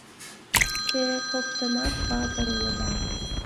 Те коктынат патыр улыда...